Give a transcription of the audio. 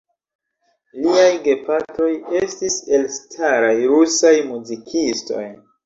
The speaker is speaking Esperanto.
Liaj gepatroj estis elstaraj rusaj muzikistoj.